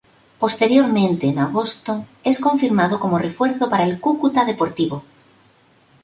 Posteriormente, en agosto, es confirmado como refuerzo para el Cúcuta Deportivo.